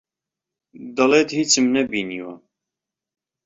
دەڵێت هیچم نەبینیوە.